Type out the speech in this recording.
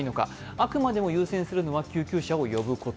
あくまでも優先するのは救急車を呼ぶこと。